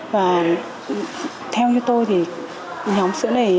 và theo như tôi thì nhóm sữa này